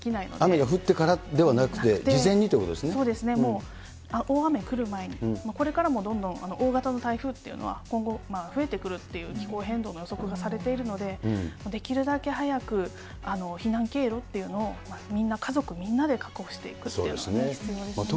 雨が降ってからではなくて、そうですね、もう、大雨来る前に、これからもどんどん大型の台風というのは今後、増えてくるっていう気候変動の予測がされているので、できるだけ早く避難経路っていうのをみんな、家族みんなで確保していくというのが必要ですね。